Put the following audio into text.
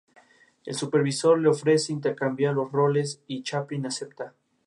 Cubre principalmente las áreas de Long Island, Queens, Brooklyn y Manhattan.